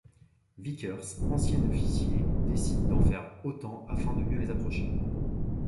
Vickers, ancien officier, décide d'en faire autant afin de mieux les approcher.